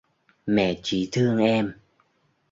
mẹ chỉ thương em